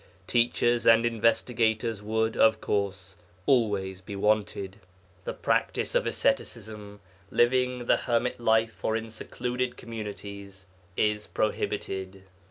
Teachers and investigators would, of course, always be wanted. The practice of Asceticism, living the hermit life or in secluded communities, is prohibited.